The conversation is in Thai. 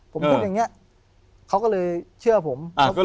ผมพูดอย่างนี้เขาก็เลยเชื่อผม